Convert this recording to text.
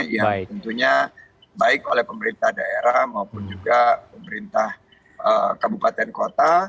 yang tentunya baik oleh pemerintah daerah maupun juga pemerintah kabupaten kota